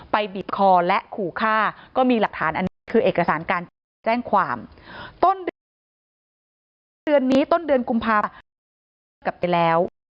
ไปบิดคอและขู่ฆ่าก็มีหลักฐานอันคือเอกสารการแจ้งความต้นเดือนกุมภาพกลับไปแล้ว